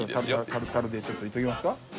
タルタルでちょっといっときますか？